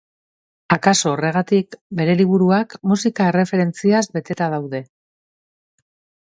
Akaso horregatik, bere liburuak musika erreferentziaz beteta daude.